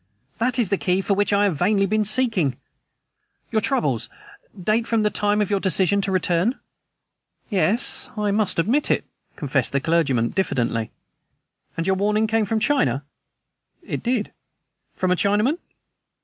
That is the key for which I have vainly been seeking. Your troubles date from the time of your decision to return?" "Yes, I must admit it," confessed the clergyman diffidently. "And your warning came from China?" "It did." "From a Chinaman?"